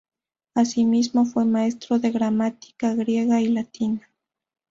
Asimismo, fue maestro de gramática griega y latina.